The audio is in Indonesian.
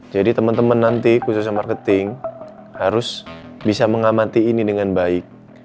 jadi teman teman nanti khususnya marketing harus bisa mengamati ini dengan baik